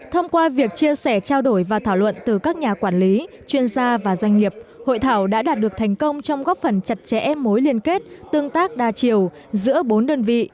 thông qua việc chia sẻ trao đổi và thảo luận từ các nhà quản lý chuyên gia và doanh nghiệp hội thảo đã đạt được thành công trong góp phần chặt chẽ mối liên kết tương tác đa chiều giữa bốn đơn vị